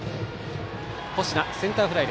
星名、センターフライ。